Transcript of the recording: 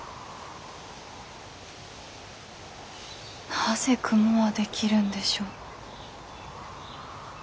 なぜ雲は出来るんでしょう。